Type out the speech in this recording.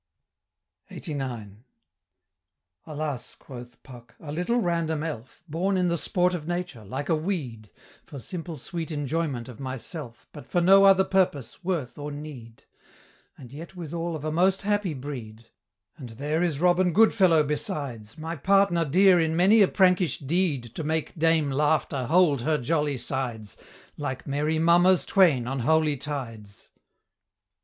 LXXXIX. "Alas!" quoth Puck, "a little random elf, Born in the sport of nature, like a weed, For simple sweet enjoyment of myself, But for no other purpose, worth, or need; And yet withal of a most happy breed; And there is Robin Goodfellow besides, My partner dear in many a prankish deed To make dame Laughter hold her jolly sides, Like merry mummers twain on holy tides."